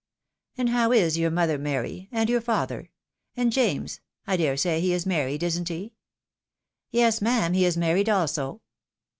And how is your mother, Mary ? and your father ? and James, I dare say he is married, isn't he ?"" Yes, ma'am, he is married also."